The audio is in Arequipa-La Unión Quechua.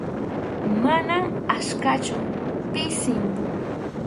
Mana achkachu, pisim.